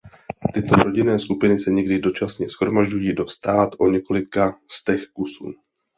Tyto rodinné skupiny se někdy dočasně shromažďují do stád o několika stech kusů.